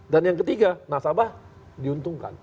dan yang ketiga nasabah diuntungkan